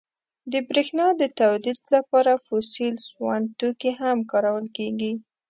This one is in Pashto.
• د برېښنا د تولید لپاره فوسیل سون توکي هم کارول کېږي.